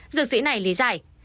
dược sĩ này lý giải